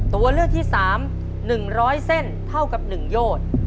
ตัวเลือกที่๓หนึ่งร้อยเส้นเท่ากับหนึ่งโยด